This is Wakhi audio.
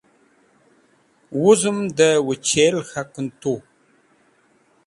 Wuzẽm dẽ wẽchel k̃hakẽn tu.